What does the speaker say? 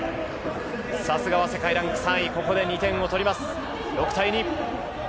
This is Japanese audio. さすが世界ランク３位、ここで２点を奪います６対２。